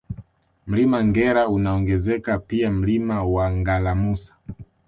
Mlima Ngera unaongezeka pia Mlima wa Ngalamusa